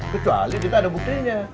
kecuali kita ada buktinya